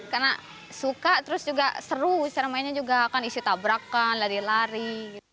karena suka terus juga seru seramainya juga kan isi tabrakan lari lari